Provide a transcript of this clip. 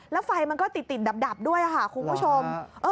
แล้วไฟมันก็ติดดับด้วยค่ะคุณผู้ชม